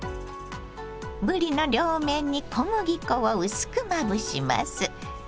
ぶりの両面に小麦粉を薄くまぶします。